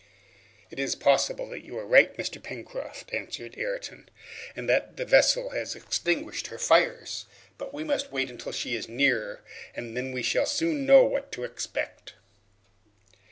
"It is possible that you may be right, Mr. Pencroft," answered Ayrton, "and that the vessel has extinguished her fires. We must wait until she is nearer, and then we shall soon know what to expect."